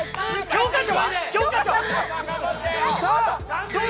教科書！